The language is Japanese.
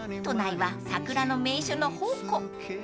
［都内は桜の名所の宝庫］